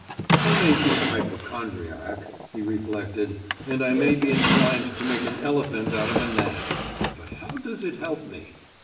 "I may be a hypochondriac," he reflected, "and I may be inclined to make an elephant out of a gnat; but how does it help me?